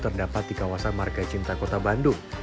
terdapat di kawasan marga cinta kota bandung